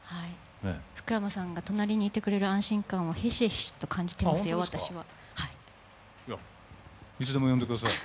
福山さんが、隣にいてくれる安心感を、ひしひしと感じていますよ、私は。